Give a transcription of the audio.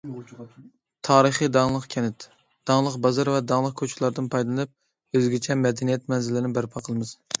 تارىخىي داڭلىق كەنت، داڭلىق بازار ۋە داڭلىق كوچىلاردىن پايدىلىنىپ، ئۆزگىچە مەدەنىيەت مەنزىرىلىرىنى بەرپا قىلىمىز.